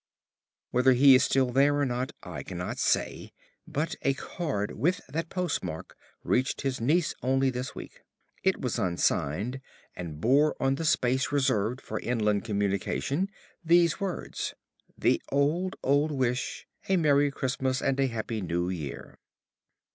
Whether he is still there or not I cannot say; but a card with that postmark reached his niece only this week. It was unsigned, and bore on the space reserved for inland communications these words: 'The old, old wish A Merry Christmas and a Happy New Year.'"